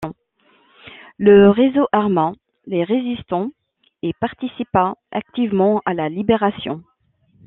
Le réseau arma les résistants et participa activement à la libération.